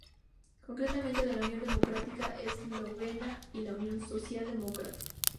Concretamente de la Unión Democrática Eslovena y la Unión Social-Demócrata.